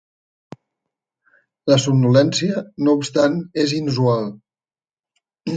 La somnolència, no obstant, és inusual.